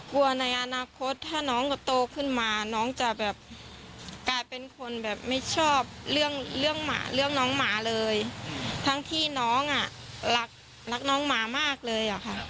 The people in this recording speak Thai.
กลัวในอนาคตถ้าน้องก็โตขึ้นมาน้องจะแบบกลายเป็นคนแบบไม่ชอบเรื่องน้องหมาเลยทั้งที่น้องอ่ะรักน้องหมามากเลยอ่ะค่ะ